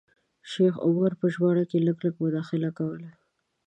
شیخ عمر په ژباړه کې لږ لږ مداخله کوله.